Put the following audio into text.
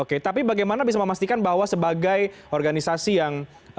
oke tapi bagaimana bisa memastikan bahwa sebagai organisasi yang